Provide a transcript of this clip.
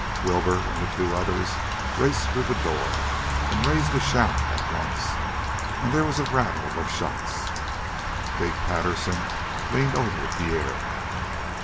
Wilbur and the other two raced through the door and raised a shout at once, and then there was a rattle of shots. Big Patterson leaned over Pierre.